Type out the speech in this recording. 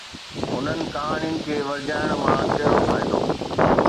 انهن ڪهاڻين کي ورجائڻ مان ڪهڙو فائدو؟